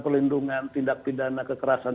perlindungan tindak pidana kekerasan